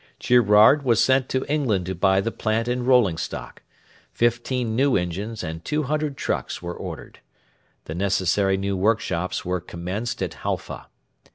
Girouard was sent to England to buy the plant and rolling stock. Fifteen new engines and two hundred trucks were ordered. The necessary new workshops were commenced at Halfa.